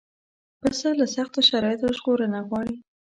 پسه له سختو شرایطو ژغورنه غواړي.